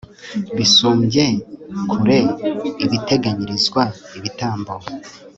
bisumbye kure ibiteganyirizwa ibitambo